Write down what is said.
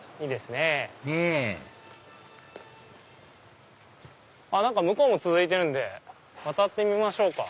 ねぇ向こうも続いてるんで渡ってみましょうか。